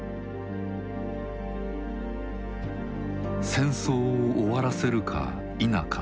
戦争を終わらせるか否か。